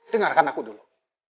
dengarkan aku dulu